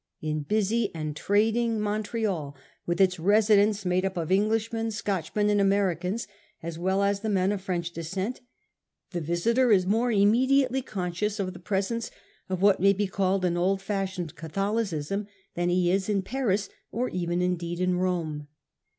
In busy and trading 1837. OLD CANADA. 49 Montreal, with its residents made up of Englishmen, Scotchmen and Americans, as well as the men of French descent, the visitor is more immediately con scious of the presence of what may be called an old fashioned Catholicism than he is in Paris, or even indeed in Rome.